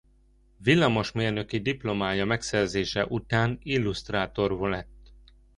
Villamosmérnöki diplomája megszerzése után illusztrátor lett.